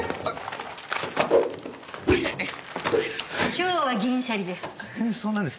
今日は銀シャリです。